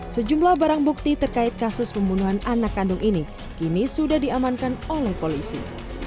sejumlah barang bukti terkait kasus pembunuhan anak kandung ini kini sudah diamankan oleh polisi